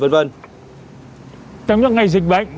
trong những ngày dịch bệnh thì khối lượng công việc nóng máy